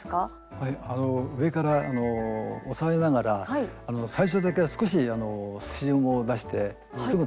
上から押さえながら最初だけは少しスチームを出してすぐ止めて下さい。